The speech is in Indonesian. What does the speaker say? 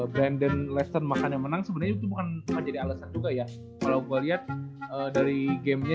brandon lesson makannya menang sebenarnya bukan menjadi alasan juga ya kalau gua lihat dari gamenya